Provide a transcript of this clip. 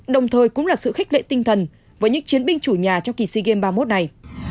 đồng thời cũng là sự khích lệ tinh thần với những chiến binh chủ nhà trong kỳ sea games ba mươi một này